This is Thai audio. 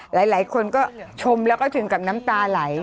หลายคนก็ชมแล้วก็ถึงกับน้ำตาไหล